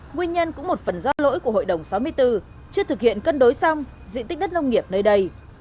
nguyên nhân cũng một phần do lỗi của hội đồng sáu mươi bốn chưa thực hiện cân đối xong diện tích đất nông nghiệp nơi đây